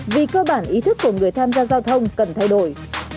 vì cơ bản ý thức của người tham gia giao thông cần thay đổi